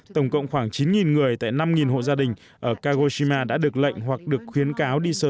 tổng cộng khoảng chín người tại năm hộ gia đình ở kagoshima đã được lệnh hoặc được khuyến cáo đi sơ